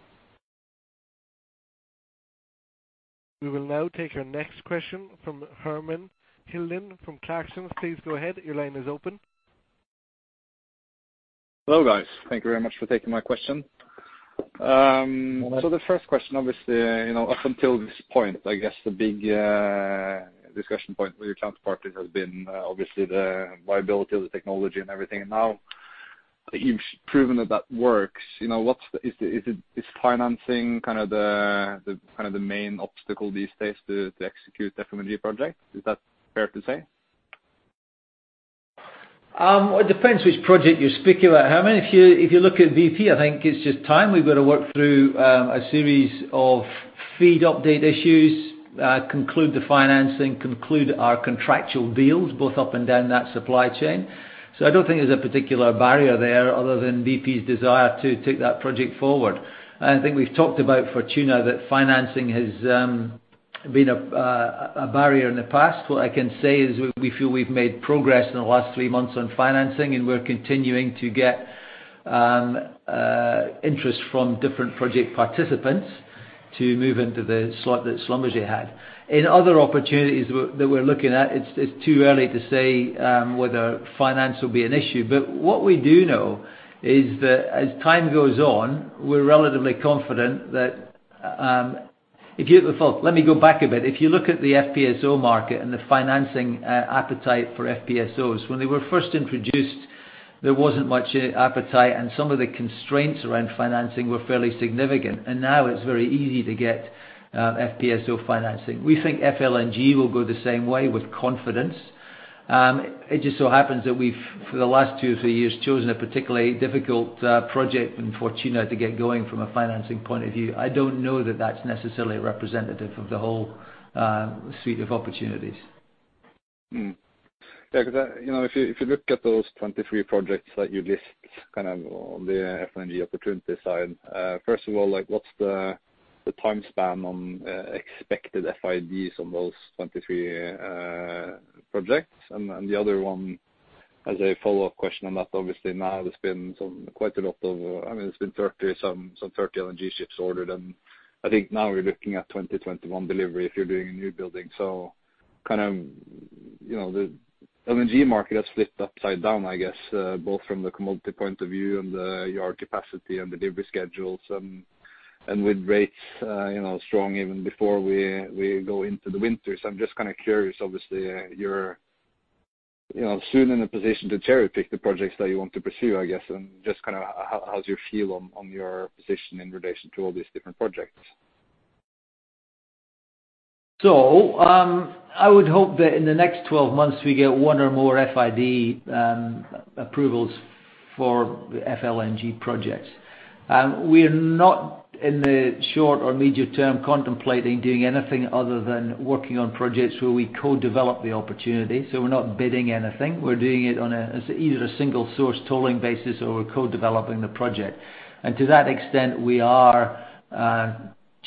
We will now take our next question from Herman Hildan from Clarksons. Please go ahead. Your line is open. Hello, guys. Thank you very much for taking my question. No problem. The first question, obviously, up until this point, I guess the big discussion point with your counterpart has been obviously the viability of the technology and everything. Now you've proven that that works. Is financing the main obstacle these days to execute the FLNG project? Is that fair to say? It depends which project you're speaking about, Herman. If you look at BP, I think it's just time. We've got to work through a series of FEED update issues, conclude the financing, conclude our contractual deals both up and down that supply chain. I don't think there's a particular barrier there other than BP's desire to take that project forward. I think we've talked about Fortuna, that financing has been a barrier in the past. What I can say is we feel we've made progress in the last three months on financing, and we're continuing to get interest from different project participants to move into the slot that Schlumberger had. In other opportunities that we're looking at, it's too early to say whether finance will be an issue. What we do know is that as time goes on, we're relatively confident that. If you look at the FPSO market and the financing appetite for FPSOs, when they were first introduced, there wasn't much appetite, and some of the constraints around financing were fairly significant. Now it's very easy to get FPSO financing. We think FLNG will go the same way with confidence. It just so happens that we've, for the last two or three years, chosen a particularly difficult project in Fortuna to get going from a financing point of view. I don't know that that's necessarily representative of the whole suite of opportunities. Because if you look at those 23 projects that you list on the FLNG opportunity side, first of all, what's the time span on expected FIDs on those 23 projects? The other one as a follow-up question on that, obviously now there's been some 30 LNG ships ordered, and I think now we're looking at 2021 delivery if you're doing a new building. The LNG market has flipped upside down, I guess, both from the commodity point of view and your capacity and delivery schedules, and with rates strong even before we go into the winter. I'm just curious, obviously, you're soon in a position to cherry-pick the projects that you want to pursue, I guess. Just how's your feel on your position in relation to all these different projects? I would hope that in the next 12 months we get one or more FID approvals for FLNG projects. We are not, in the short or medium term, contemplating doing anything other than working on projects where we co-develop the opportunity. We're not bidding anything. We're doing it on either a single source tolling basis or we're co-developing the project. To that extent, we are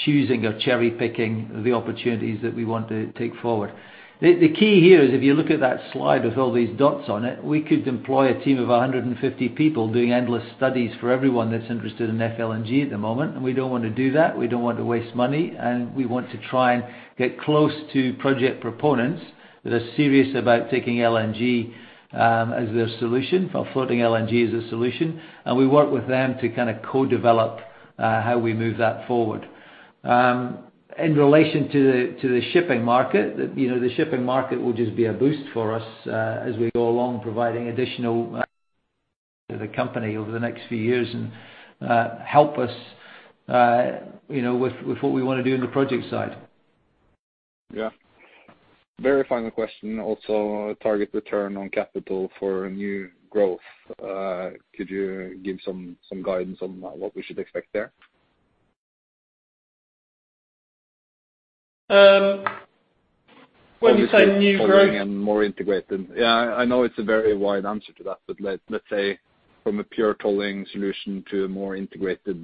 choosing or cherry-picking the opportunities that we want to take forward. The key here is if you look at that slide with all these dots on it, we could employ a team of 150 people doing endless studies for everyone that's interested in FLNG at the moment, and we don't want to do that. We don't want to waste money, we want to try and get close to project proponents that are serious about taking FLNG as their solution, for floating LNG as a solution. We work with them to co-develop how we move that forward. In relation to the shipping market, the shipping market will just be a boost for us as we go along, providing additional to the company over the next few years and help us with what we want to do on the project side. Very final question also, target return on capital for new growth. Could you give some guidance on what we should expect there? When we say new growth- Obviously tolling and more integrated. Yeah, I know it's a very wide answer to that, but let's say from a pure tolling solution to a more integrated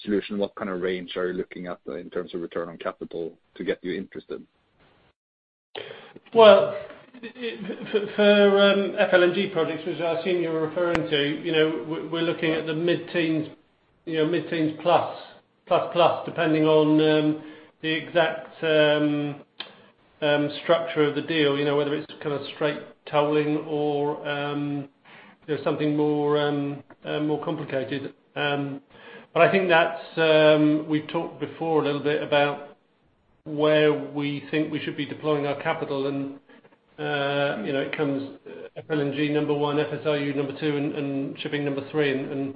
solution, what kind of range are you looking at in terms of return on capital to get you interested? Well, for FLNG projects, which I assume you're referring to, we're looking at the mid-teens plus. Plus, plus, depending on the exact structure of the deal, whether it's straight tolling or there's something more complicated. I think that we've talked before a little bit about where we think we should be deploying our capital, and it comes FLNG number 1, FSRU number 2, and shipping number 3.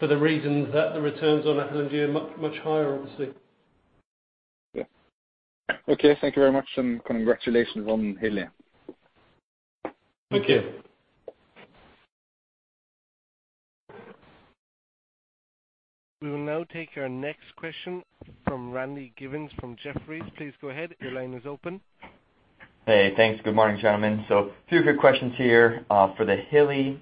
For the reasons that the returns on FLNG are much higher, obviously. Yeah. Okay, thank you very much, congratulations on Hilli. Thank you. We will now take our next question from Randy Giveans from Jefferies. Please go ahead. Your line is open. Hey, thanks. Good morning, gentlemen. A few quick questions here. For the Hilli,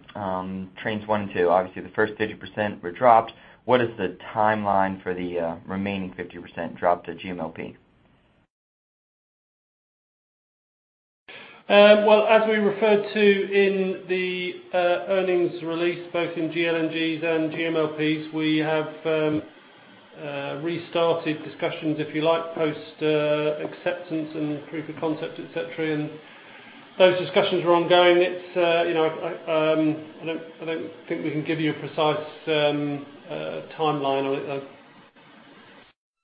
Trains One and Two, obviously the first 50% were dropped. What is the timeline for the remaining 50% drop to GMLP? As we referred to in the earnings release, both in GLNG's and GMLP's, we have restarted discussions, if you like, post acceptance and proof of concept, et cetera, and those discussions are ongoing. I don't think we can give you a precise timeline on it.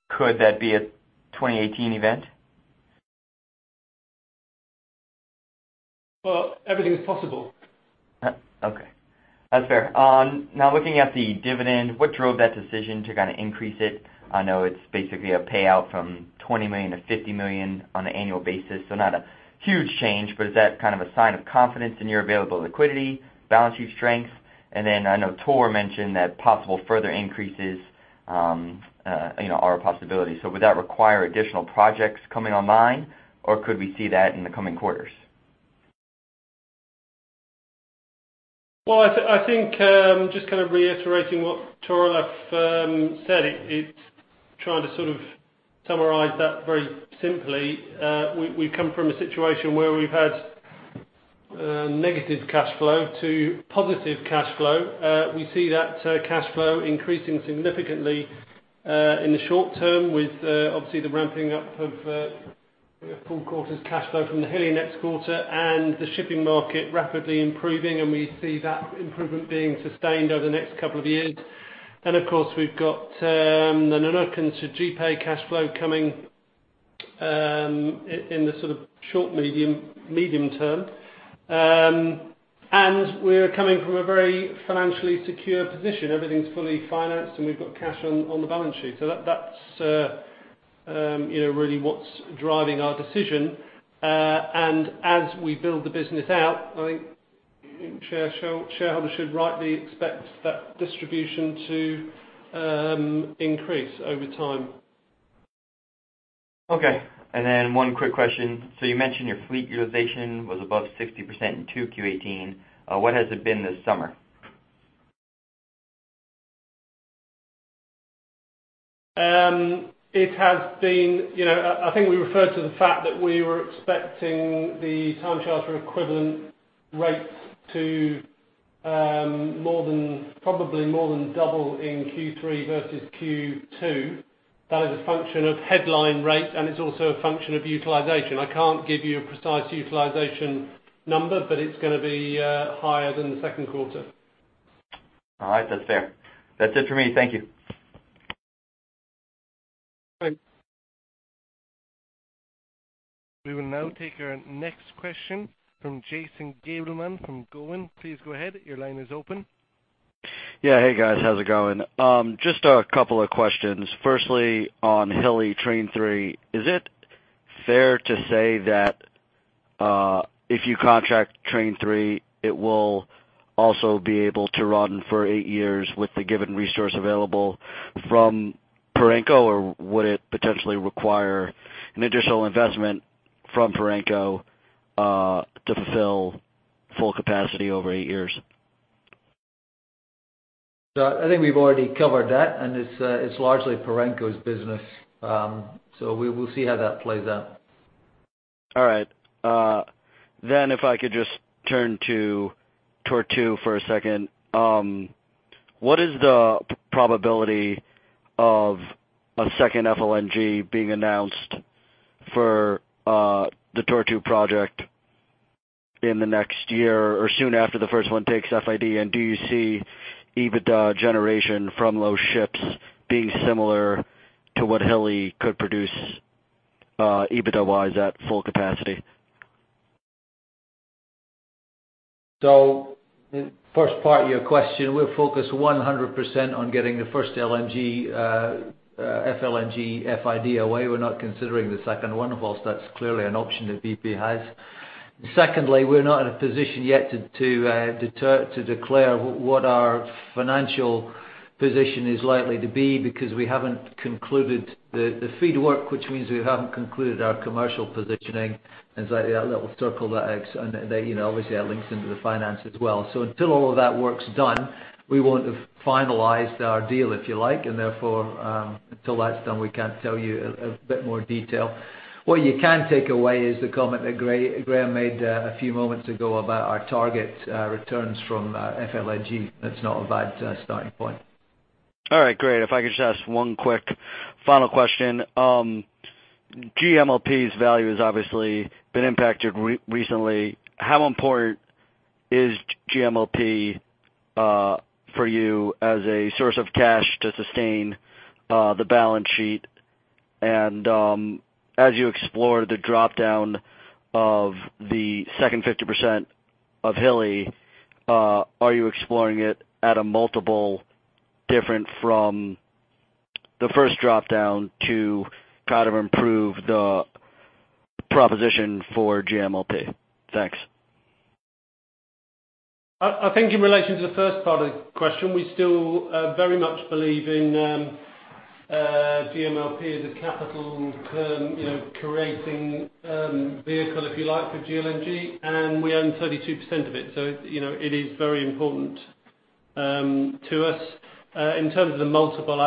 Could that be a 2018 event? Everything is possible. That's fair. Looking at the dividend, what drove that decision to increase it? I know it's basically a payout from $20 million to $50 million on an annual basis, so not a huge change, but is that a sign of confidence in your available liquidity, balance sheet strength? I know Tor mentioned that possible further increases are a possibility. Would that require additional projects coming online, or could we see that in the coming quarters? I think, just reiterating what Tor Olav said, trying to sort of summarize that very simply, we come from a situation where we've had negative cash flow to positive cash flow. We see that cash flow increasing significantly in the short term with, obviously, the ramping up of a full quarter's cash flow from the Hilli next quarter and the shipping market rapidly improving, and we see that improvement being sustained over the next couple of years. Of course, we've got the Nanook and Sergipe cash flow coming in the sort of short, medium term. We are coming from a very financially secure position. Everything's fully financed, and we've got cash on the balance sheet. That's really what's driving our decision. As we build the business out, I think shareholders should rightly expect that distribution to increase over time. Okay. One quick question. You mentioned your fleet utilization was above 60% in 2Q18. What has it been this summer? I think we referred to the fact that we were expecting the time charter equivalent rates to probably more than double in Q3 versus Q2. That is a function of headline rate, and it's also a function of utilization. I can't give you a precise utilization number, but it's going to be higher than the second quarter. All right, that's fair. That's it for me. Thank you. Okay. We will now take our next question from Jason Gabelman from Cowen. Please go ahead. Your line is open. Yeah. Hey guys, how's it going? Just a couple of questions. Firstly, on Hilli Train 3, is it fair to say that if you contract Train 3, it will also be able to run for eight years with the given resource available from Perenco? Or would it potentially require an additional investment from Perenco to fulfill full capacity over eight years? I think we've already covered that. It's largely Perenco's business. We will see how that plays out. All right. If I could just turn to Tortue for a second. What is the probability of a second FLNG being announced for the Tortue project in the next year or soon after the first one takes FID? Do you see EBITDA generation from those ships being similar to what Hilli could produce EBITDA-wise at full capacity? First part of your question, we're focused 100% on getting the first FLNG FID away. We're not considering the second one. Whilst that's clearly an option that BP has. Secondly, we're not in a position yet to declare what our financial position is likely to be because we haven't concluded the FEED work, which means we haven't concluded our commercial positioning. That little circle that obviously that links into the finance as well. Until all of that work's done, we won't have finalized our deal, if you like, and therefore, until that's done, we can't tell you a bit more detail. What you can take away is the comment that Graham made a few moments ago about our target returns from FLNG. That's not a bad starting point. All right, great. If I could just ask one quick final question. GMLP's value has obviously been impacted recently. How important is GMLP for you as a source of cash to sustain the balance sheet? As you explore the drop-down of the second 50% of Hilli, are you exploring it at a multiple different from the first drop-down to try to improve the proposition for GMLP? Thanks. I think in relation to the first part of the question, we still very much believe in GMLP as a capital creating vehicle, if you like, for GLNG, we own 32% of it. It is very important to us. In terms of the multiple,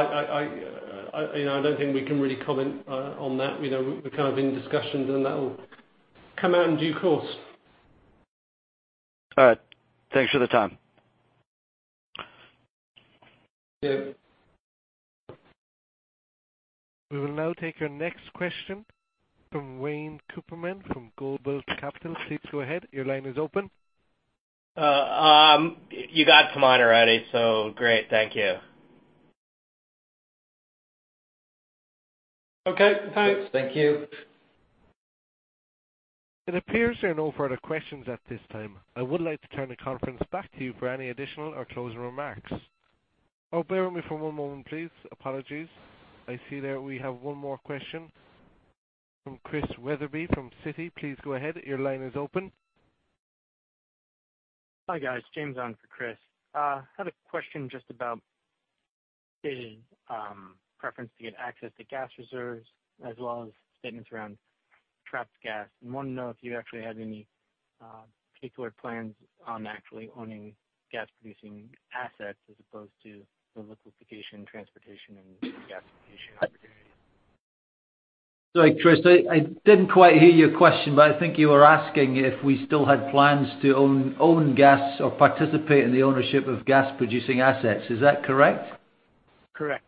I don't think we can really comment on that. We're kind of in discussions, that will come out in due course. All right. Thanks for the time. Yeah. We will now take your next question from Wayne Cooperman from Cobalt Capital. Please go ahead. Your line is open. You got to mine already, great. Thank you. Okay, thanks. Thank you. It appears there are no further questions at this time. I would like to turn the conference back to you for any additional or closing remarks. Bear with me for one moment, please. Apologies. I see that we have one more question from Christian Wetherbee from Citi. Please go ahead. Your line is open. Hi, guys. James on for Chris. I had a question just about preference to get access to gas reserves as well as statements around trapped gas. I want to know if you actually had any particular plans on actually owning gas-producing assets as opposed to the liquefaction, transportation, and gas application. Sorry, James, I didn't quite hear your question, but I think you were asking if we still had plans to own gas or participate in the ownership of gas-producing assets. Is that correct? Correct.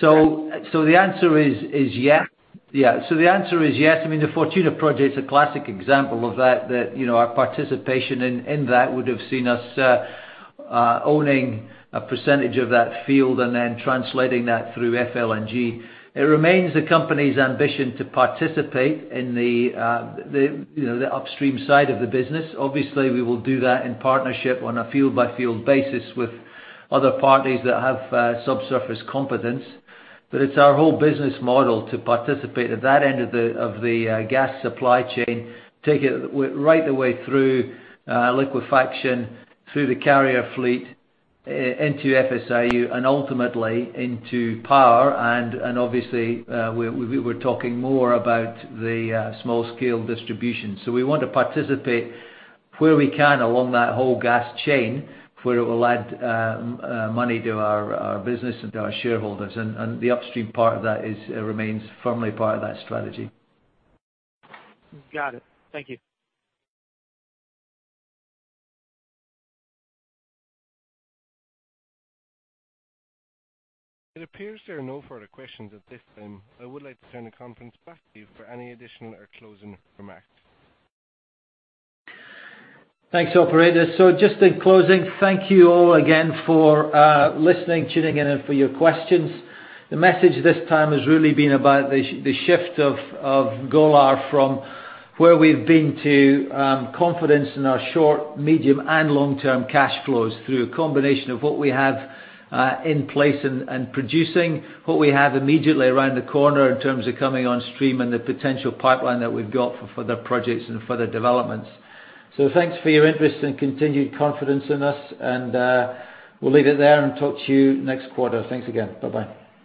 The answer is yes. The Fortuna project is a classic example of that. Our participation in that would have seen us owning a percentage of that field and then translating that through FLNG. It remains the company's ambition to participate in the upstream side of the business. Obviously, we will do that in partnership on a field-by-field basis with other parties that have subsurface competence. It's our whole business model to participate at that end of the gas supply chain, take it right the way through liquefaction, through the carrier fleet into FSRU, and ultimately into power. Obviously, we're talking more about the small-scale distribution. We want to participate where we can along that whole gas chain where it will add money to our business and to our shareholders. The upstream part of that remains firmly part of that strategy. Got it. Thank you. It appears there are no further questions at this time. I would like to turn the conference back to you for any additional or closing remarks. Thanks, operator. Just in closing, thank you all again for listening, tuning in, and for your questions. The message this time has really been about the shift of Golar from where we've been to confidence in our short, medium, and long-term cash flows through a combination of what we have in place and producing. What we have immediately around the corner in terms of coming on stream and the potential pipeline that we've got for further projects and further developments. Thanks for your interest and continued confidence in us, and we'll leave it there and talk to you next quarter. Thanks again. Bye-bye.